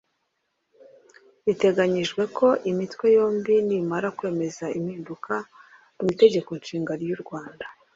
Biteganyijwe ko imitwe yombi nimara kwemeza impinduka mu Itegeko Nshinga ry’u Rwanda